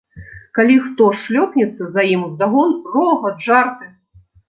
Калі хто шлёпнецца, за ім уздагон рогат, жарты.